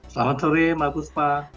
selamat sore bagus pak